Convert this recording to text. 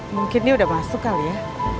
mungkin dia udah masuk kali ya